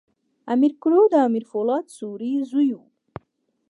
امیر کروړ د امیر پولاد سوري زوی وو.